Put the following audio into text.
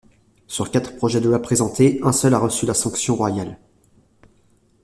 Sur quatre projets de loi présentés, un seul a reçu la sanction royale.